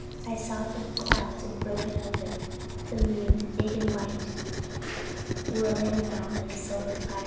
I saw the clouds broken open, and the moon, big and white, whirling round like a silver plate.